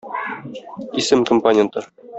Исем компоненты.